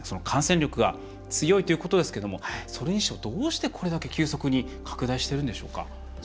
感染力が強いということですけどそれにしても、どうしてこれだけ急速に拡大しているんでしょうか。